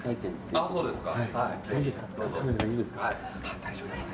あぁそうですか。